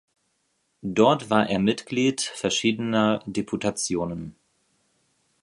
Dort war er Mitglied verschiedener Deputationen.